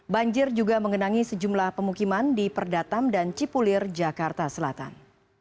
banjir juga mengenangi sejumlah pemukiman di perdatam dan cipulir jakarta selatan